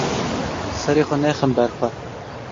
Serê xwe nexin ber xwe.